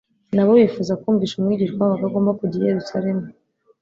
nabo bifuza kumvisha Umwigisha wabo ko agomba kujya i Yerusalemu.